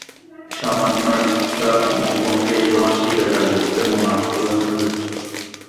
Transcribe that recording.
সামান্য একটা মুখভঙ্গি, একটু হাসিই বেকার যুবকদের মন-আহত করার জন্য যথেষ্ট।